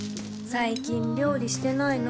最近料理してないの？